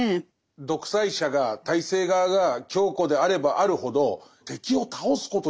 独裁者が体制側が強固であればあるほど敵を倒すことに燃えると思うんですけど。